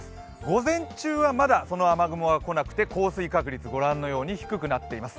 午前中は、まだその雨雲は来なくて降水確率、低くなっています。